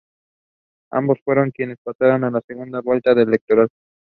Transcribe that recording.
It stars Daisy May Cooper and Tim Key.